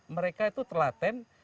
mereka itu telaten